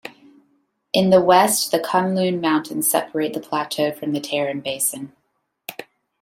In the west the Kunlun Mountains separate the plateau from the Tarim Basin.